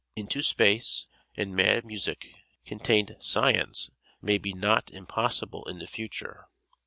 "Into Space" and "Mad Music" contained science maybe not impossible in the future.